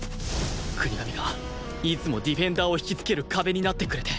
國神がいつもディフェンダーを引きつける壁になってくれて